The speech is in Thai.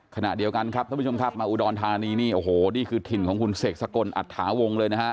ขณะเดียวกันครับท่านผู้ชมครับมาอุดรธานีนี่โอ้โหนี่คือถิ่นของคุณเสกสกลอัตถาวงเลยนะฮะ